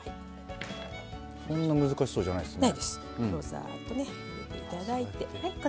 そんな難しそうじゃないですね。